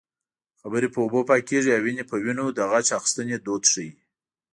خیرې په اوبو پاکېږي او وينې په وينو د غچ اخیستنې دود ښيي